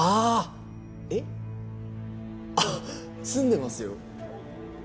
あっ詰んでますよ。